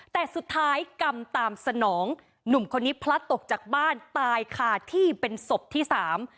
แต่สุดท้ายกรรมตามสนองหนุ่มคนนี้พลัดตกจากบ้านตายคาที่เป็นศพที่สาม